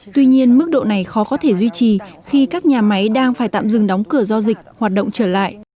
tuy nhiên mức độ này khó có thể duy trì khi các nhà máy đang phải tạm dừng đóng cửa do dịch hoạt động trở lại